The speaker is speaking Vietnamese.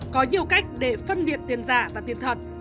có nhiều cách để phân biệt tiền giả và tiền thật